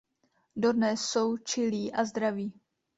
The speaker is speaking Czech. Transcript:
Dodnes jsou čilí a zdraví.